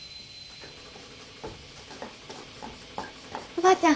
おばあちゃん。